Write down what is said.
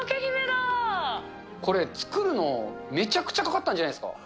これ、作るのめちゃくちゃかかったんじゃないですか。